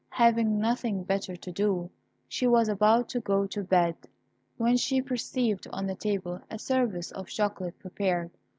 Having nothing better to do, she was about to go to bed, when she perceived on the table a service of chocolate prepared.